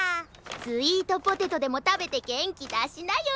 スイートポテトでもたべてげんきだしなよ。